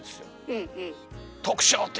うん。